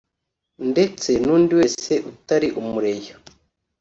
ndetse n’undi wese utari umu-Rayons